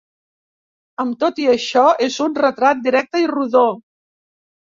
Amb tot i això és un retrat directe i rodó.